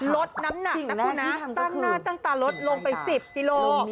ลดน้ำหนักนะคุณนะตั้งหน้าตั้งตาลดลงไป๑๐กิโล